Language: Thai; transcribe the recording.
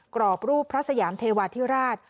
กรอบรูปพระสยามเทวาธิราช